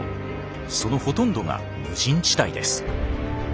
そのほとんどが無人地帯です。